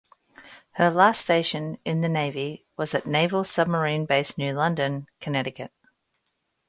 Her last station in the Navy was at Naval Submarine Base New London, Connecticut.